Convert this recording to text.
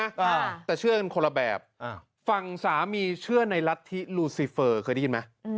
อ่าแต่เชื่อกันคนละแบบอ่าฝั่งสามีเชื่อในรัฐธิลูซีเฟอร์เคยได้ยินไหมอืม